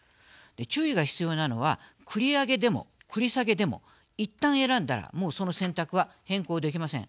注意が必要なのは繰り上げでも、繰り下げでもいったん選んだらもう、その選択は変更できません。